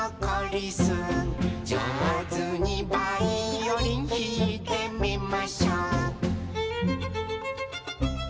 「上手にバイオリンひいてみましょう」